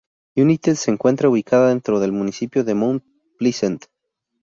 United se encuentra ubicada dentro del municipio de Mount Pleasant.